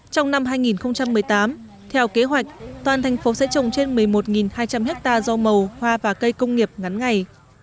trong năm hai nghìn một mươi tám theo kế hoạch toàn thành phố sẽ trồng trên một mươi một hai trăm linh ha rau màu hoa và cây công nghiệp ngắn ngày